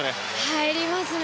入りますね。